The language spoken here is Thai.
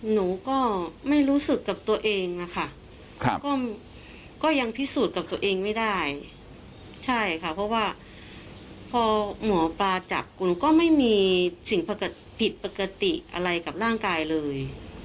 หนูก็ไม่รู้สึกกับตัวเองนะคะก็ยังพิสูจน์กับตัวเองไม่ได้ใช่ค่ะเพราะว่าพอหมอปลาจับคุณก็ไม่มีสิ่งผิดปกติอะไรกับร่างกายเลย